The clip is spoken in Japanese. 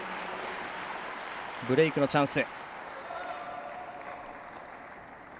ブレークのチャンス。